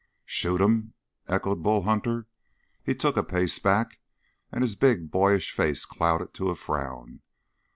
"Shoot him?" echoed Bull Hunter. He took a pace back, and his big, boyish face clouded to a frown.